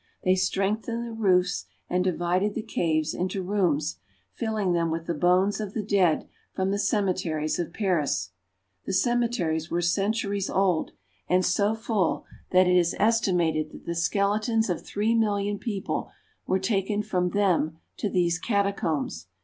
They strengthened the roofs and divided the caves into rooms, filling them with the bones of the dead from the cemeteries of Paris. The cemeteries were centuries old, and so full CARP. EUROPE — 8 120 FRANCE. that it is estimated that the skeletons of three million peo ple were taken from them to these catacombs.